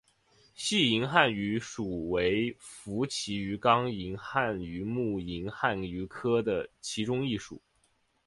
细银汉鱼属为辐鳍鱼纲银汉鱼目银汉鱼科的其中一属。